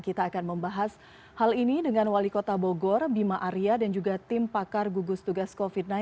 kita akan membahas hal ini dengan wali kota bogor bima arya dan juga tim pakar gugus tugas covid sembilan belas